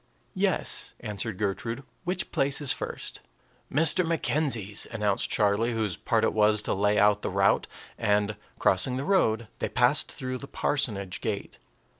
"Yes," answered Gertrude. "Which place is first?" "Mr. McKenzie's," announced Charlie, whose part it was to lay out the route; and, crossing the road, they passed through the parsonage gate.